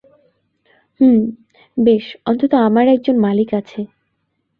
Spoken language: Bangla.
হুম, বেশ, অন্তত আমার একজন মালিক আছে।